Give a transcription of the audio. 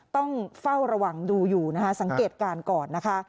ต้องเฝ้าระวังดูอยู่นะคะสังเกตการณ์ก่อนนะคะ